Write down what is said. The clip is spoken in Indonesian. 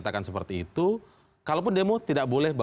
kalau pernah saya melihat di situ